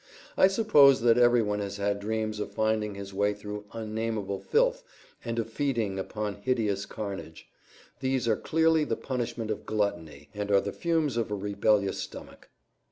I suppose that everyone has had dreams of finding his way through unnamable filth and of feeding upon hideous carnage; these are clearly the punishment of gluttony, and are the fumes of a rebellious stomach.